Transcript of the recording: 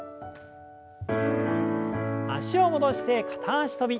脚を戻して片脚跳び。